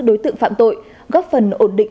đối tượng phạm tội góp phần ổn định